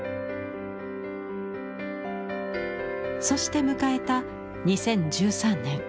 そして迎えた２０１３年。